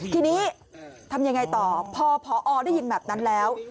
ทีนี้ทำยังไงต่อพอพอได้ยินแบบนั้นแล้ว